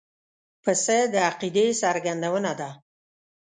پسه د عقیدې څرګندونه ده.